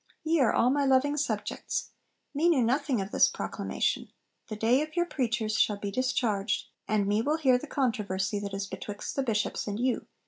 Ye are all my loving subjects. Me knew nothing of this proclamation. The day of your preachers shall be discharged, and me will hear the controversy that is betwixt the Bishops and you.